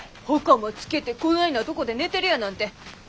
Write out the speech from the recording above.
はかまつけてこないなとこで寝てるやなんて